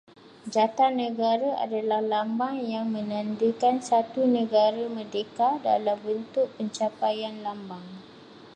Jata negara adalah lambang yang menandakan satu negara merdeka dalam bentuk pencapaian lambang